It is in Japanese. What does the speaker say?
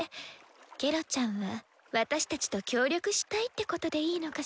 ケロちゃんは私たちと「協力したい」ってことでいいのかしら？